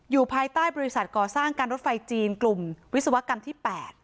ภายใต้บริษัทก่อสร้างการรถไฟจีนกลุ่มวิศวกรรมที่๘